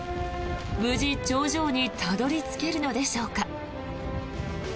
無事、頂上にたどり着けるのでしょうか。